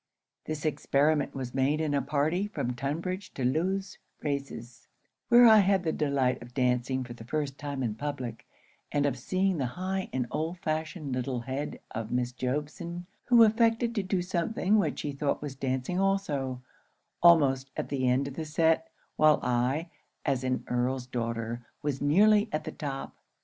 'This experiment was made in a party from Tunbridge to Lewes Races, where I had the delight of dancing for the first time in public, and of seeing the high and old fashioned little head of Miss Jobson, who affected to do something which she thought was dancing also, almost at the end of the set, while I, as an Earl's daughter, was nearly at the top.